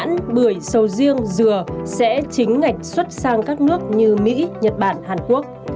nhãn bưởi sầu riêng dừa sẽ chính ngạch xuất sang các nước như mỹ nhật bản hàn quốc